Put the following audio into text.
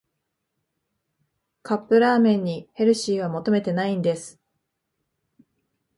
カップラーメンにヘルシーは求めてないんです